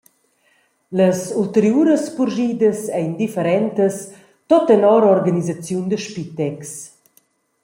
Las ulteriuras purschidas ein differentas tut tenor organisaziun da Spitex.